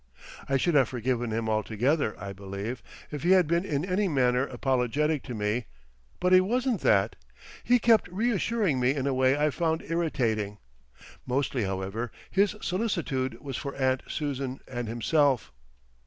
I should have forgiven him altogether, I believe, if he had been in any manner apologetic to me; but he wasn't that. He kept reassuring me in a way I found irritating. Mostly, however, his solicitude was for Aunt Susan and himself.